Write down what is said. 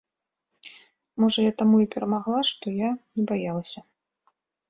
Можа я таму і перамагла, што я не баялася.